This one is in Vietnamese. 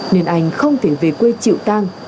nên anh không thể về quê chịu tàn